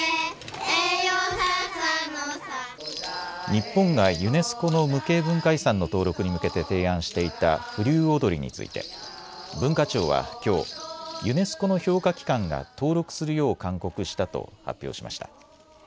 日本がユネスコの無形文化遺産の登録に向けて提案していた風流踊について文化庁はきょうユネスコの評価機関が登録するよう勧告したと発表しました。